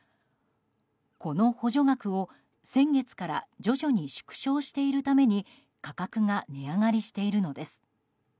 この補助額を、先月から徐々に縮小しているために価格が値上がりしているのです。